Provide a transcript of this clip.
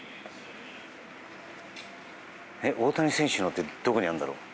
大谷選手のってどこにあるんだろう。